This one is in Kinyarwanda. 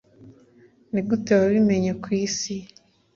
nigute wabimenye kwisi